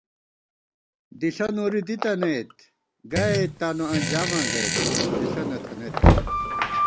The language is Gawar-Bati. دِݪہ نوری دِتَنَئیت، گئیت تانُو انجاماں گَئیت، ژِݪہ نہ تھنَئیت کرہ